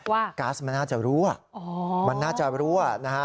ว่าก๊าซมันน่าจะรู้อ่ะมันน่าจะรู้อ่ะนะฮะ